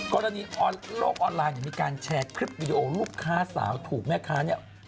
โคลนี้โลกออนไลน์ในการแชร์คลิปวิดีโอลูกค้าสาวถูกแม่ค้า